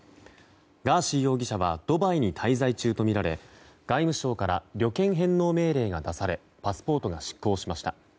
ガーシー容疑者はドバイに滞在中とみられ外務省から旅券返納命令が出されパスポートが失効しました。